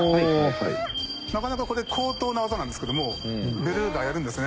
なかなかこれ高等な技なんですけどもベルーガはやるんですね。